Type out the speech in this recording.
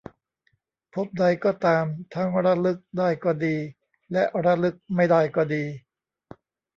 ภพใด ก็ตาม ทั้งระลึกได้ก็ดีและระลึกไม่ได้ก็ดี